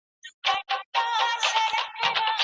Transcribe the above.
یو انسان څومره خوب ته اړتیا لري؟